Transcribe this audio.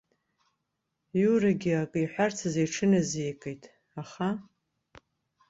Иурагьы акы иҳәарц азы иҽыназикын, аха.